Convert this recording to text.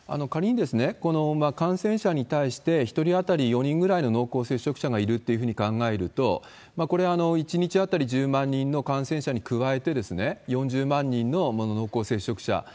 仮にこの感染者に対して、１人当たり４人ぐらいの濃厚接触者がいるというふうに考えると、これ、１日当たり１０万人の感染者に加えて、４０万人の濃厚接触者。